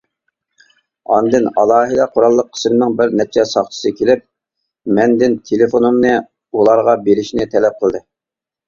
ئاندىن ئالاھىدە قوراللىق قىسىمنىڭ بىر نەچچە ساقچىسى كېلىپ، مەندىن تېلېفونۇمنى ئۇلارغا بېرىشنى تەلەپ قىلدى.